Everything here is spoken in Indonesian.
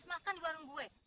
aku pun mah